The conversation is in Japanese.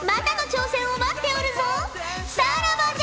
さらばじゃ！